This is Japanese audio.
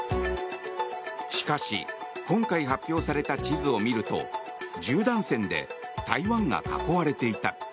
しかし、今回発表された地図を見ると十段線で台湾が囲われていた。